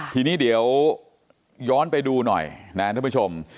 ทีนี้เดี๋ยวย้อนไปดูหน่อยนะท่านผู้ชม